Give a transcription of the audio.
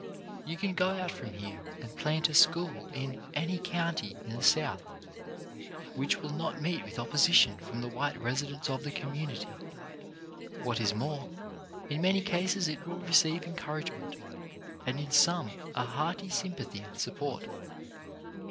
You can go out from here and plant a school in any county in the South, which will not meet with opposition from the white residents of the community. What is more, in many cases it will receive en couragement, and in some a hearty sympathy and support.